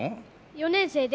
４年生です。